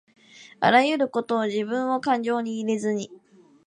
あらゆることをじぶんをかんじょうに入れずに